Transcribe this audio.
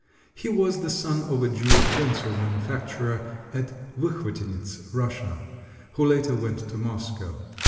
He was the son of a Jewish pencil manufacturer at Wechwotynetz, Russia, who later went to Moscow.